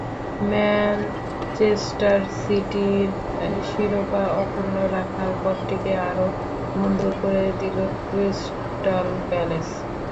Manchester সিটির শিরোপা অক্ষুণ্ন রাখার পথটিকে আরও বন্ধুর করে দিল ক্রিস্টাল প্যালেস।